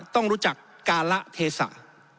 ต้องรู้จักการะเทศะ